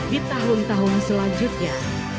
di tahun tahun selanjutnya